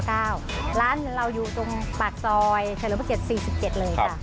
ร้านเราอยู่ตรงปากซอยเฉลิมพระเกียรติ๔๗เลยค่ะ